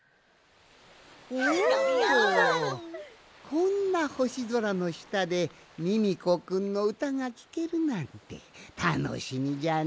こんなほしぞらのしたでミミコくんのうたがきけるなんてたのしみじゃのうココくん。